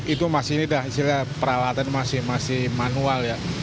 itu masih ini dah istilah peralatan masih manual ya